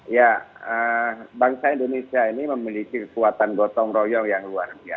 ya bangsa indonesia ini memiliki kekuatan gotong royong yang luar biasa